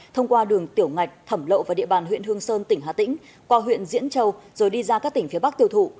thông qua đường tiểu ngạch thẩm lậu và địa bàn huyện hương sơn tỉnh hà tĩnh qua huyện diễn châu rồi đi ra các tỉnh phía bắc tiêu thụ